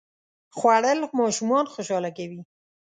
خوړل ماشومان خوشاله کوي